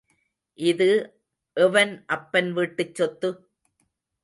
இது எவன் அப்பன் வீட்டுச் சொத்து?